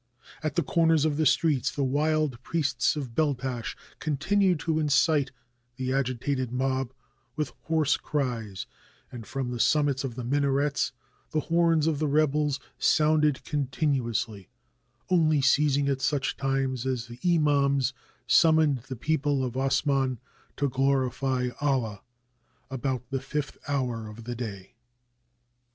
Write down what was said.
At the corners of the streets the wild priests of Beltash con tinued to incite the agitated mob with hoarse cries, and 522 THE LAST OF THE JANIZARIES from the summits of the minarets the horns of the rebels sounded continuously, only ceasing at such times as the imams summoned the people of Osman to glorify Allah, about the fifth hour of the day.